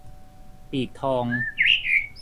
ปีกทอง